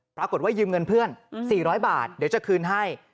ปรากฏว่ายืมเงินเพื่อน๔๐๐บาทเดี๋ยวจะคืนให้